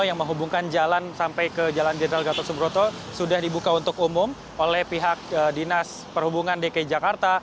yang menghubungkan jalan sampai ke jalan jenderal gatot subroto sudah dibuka untuk umum oleh pihak dinas perhubungan dki jakarta